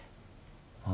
ああ。